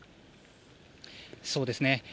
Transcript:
そうですね。